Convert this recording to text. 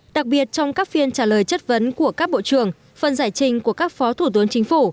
đặc biệt trong các phiên trả lời chất vấn của các bộ trưởng phần giải trình của các phó thủ tướng chính phủ